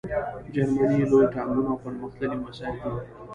جرمني لوی ټانکونه او پرمختللي وسایل جوړ کړل